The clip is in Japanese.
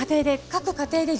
家庭で。